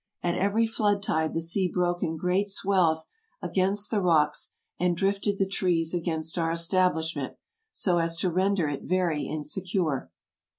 At every flood tide the sea broke in great swells against the rocks and drifted the trees against our establishment, so as to render it verv insecure.